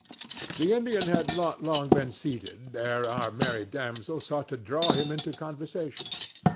The Indian had not long been seated ere our merry damsel sought to draw him into conversation.